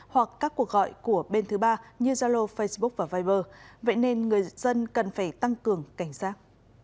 hoặc các cuộc gọi của bên thứ ba như zalo facebook và viber vậy nên người dân cần phải tăng cường cảnh giác